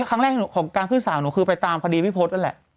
ครั้งแรกของการขึ้นสารหนูคือไปตามคดีพี่พศนั่นแหละ